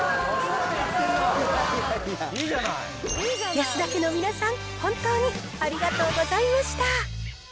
安田家の皆さん、本当にありがとうございました。